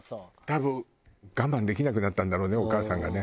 多分我慢できなくなったんだろうねお母さんがね。